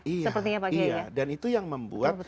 iya iya dan itu yang membuat